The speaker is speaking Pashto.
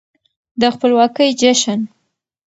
د خپلواکۍ جشن